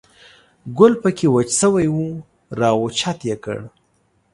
ګل په کې وچ شوی و، را اوچت یې کړ.